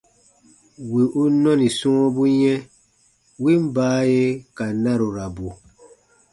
Wì u nɔni sɔ̃ɔbu yɛ̃, win baaye ka narurabu.